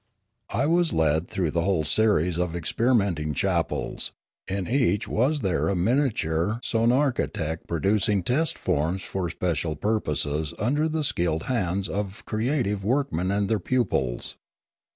I was led through the whole series of experimenting chapels; in each was there a miniature sonarchitect pro ducing test forms for special purposes under the skilled hands of creative workmen and their pupils.